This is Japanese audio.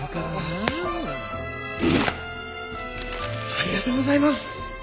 ありがとうございます！